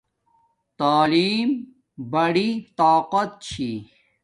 تعلیم بڑی طاقت چھی